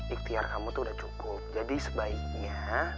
ikhtiar kamu tuh udah cukup jadi sebaiknya